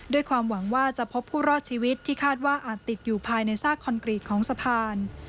ด้วยความหวังว่าจะพบผู้รอดชีวิตที่คาดว่าอาจติดอยู่ภายในซากคอนกรีตของสะพาน